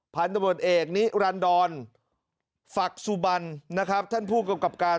พันธบทเอกนิรันดรฝักสุบันนะครับท่านผู้กำกับการ